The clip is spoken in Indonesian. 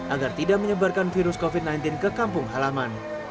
agar tidak menyebarkan virus covid sembilan belas ke kampung halaman